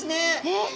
えっ？